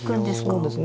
そうですね